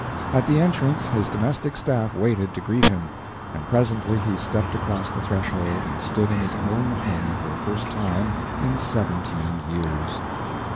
At the entrance his domestic staff waited to greet him, and presently he stepped across the threshold and stood in his own home for the first time in seventeen years.